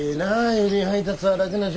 郵便配達は楽な仕事で。